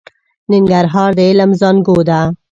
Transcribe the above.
ننګرهار د علم زانګو ده.